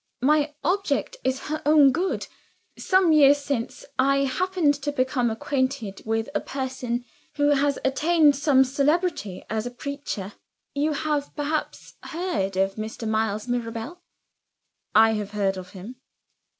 "My object is her own good. Some years since, I happened to become acquainted with a person who has attained some celebrity as a preacher. You have perhaps heard of Mr. Miles Mirabel?" "I have heard of him."